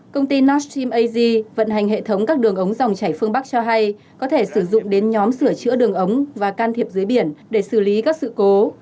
công ty nastim as vận hành hệ thống các đường ống dòng chảy phương bắc cho hay có thể sử dụng đến nhóm sửa chữa đường ống và can thiệp dưới biển để xử lý các sự cố